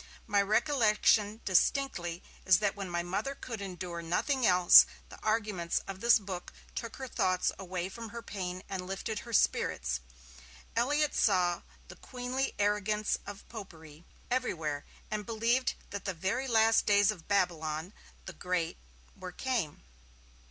My recollection distinctly is that when my Mother could endure nothing else, the arguments of this book took her thoughts away from her pain and lifted her spirits. Elliott saw 'the queenly arrogance of Popery' everywhere, and believed that the very last days of Babylon the Great were came.